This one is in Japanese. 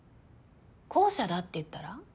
後者だって言ったら？